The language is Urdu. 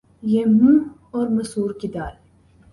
یہ منھ اور مسور کی دال